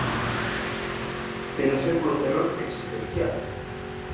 De non ser polo terror existencial